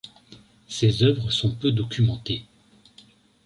Ses œuvres sont peu documentées.